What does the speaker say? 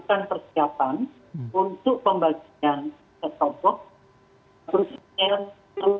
yang pertama tentunya memastikan bahwa sumpah turut siaran tv digital di seluruh indonesia ini sudah lepas